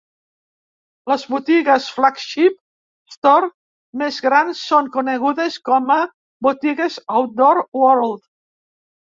Les botigues 'flagship store' més grans són conegudes com a botigues Outdoor World.